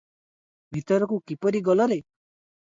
"ଭିତରକୁ କିପରି ଗଲ ରେ?"